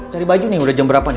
cari baju nih udah jam berapaan